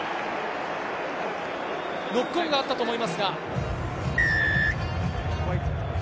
ノックオンがあったと思いますが。